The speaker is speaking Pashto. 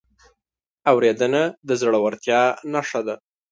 اورېدنه د زړورتیا نښه ده.